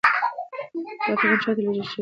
دا پیغام چا ته لېږل شوی و؟